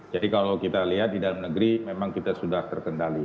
jadi kalau kita lihat di dalam negeri memang kita sudah terkendali